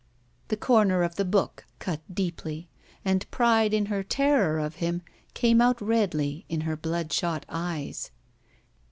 The comer of the book cut deeply and pride in her terror of him came out redly in her bloodshot eyes.